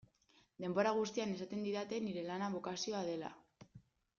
Denbora guztian esaten didate nire lana bokazioa dela.